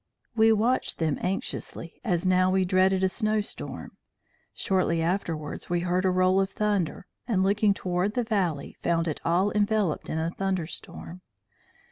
We watched them anxiously, as now we dreaded a snow storm. Shortly afterwards we heard the roll of thunder, and looking toward the valley, found it all enveloped in a thunderstorm.